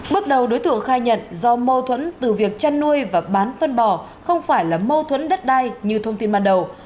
bước đầu đối tượng khai nhận do mâu thuẫn từ việc chăn nuôi và bán phân bò không phải là mâu thuẫn đất đai như thông tin ban đầu